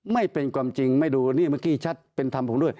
ไม่เป็นความจริงไม่ดูนี่เมื่อกี้ชัดเป็นธรรมผมด้วย